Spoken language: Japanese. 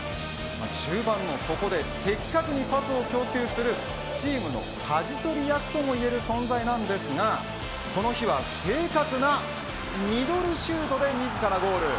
中盤の底で的確にパスを供給するチームのかじ取り役ともいえる存在ですがこの日は、正確なミドルシュートで自らゴール。